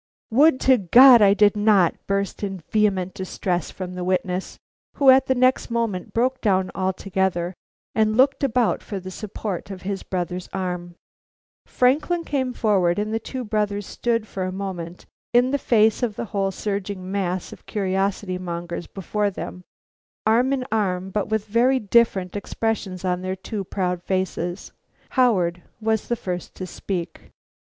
"Would to God I did not!" burst in vehement distress from the witness, who at the next moment broke down altogether and looked about for the support of his brother's arm. Franklin came forward, and the two brothers stood for a moment in the face of the whole surging mass of curiosity mongers before them, arm in arm, but with very different expressions on their two proud faces. Howard was the first to speak.